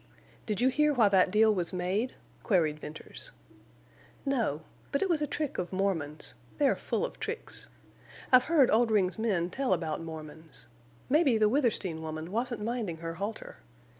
"Did you hear why that deal was made?" queried Venters. "No. But it was a trick of Mormons. They're full of tricks. I've heard Oldring's men tell about Mormons. Maybe the Withersteen woman wasn't minding her halter!